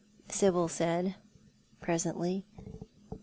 " Sibyl said, presently.